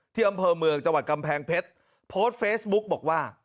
อำเภอเมืองจังหวัดกำแพงเพชรโพสต์เฟซบุ๊กบอกว่า